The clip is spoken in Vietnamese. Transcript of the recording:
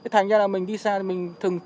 thành ra là mình đi xa thì mình thường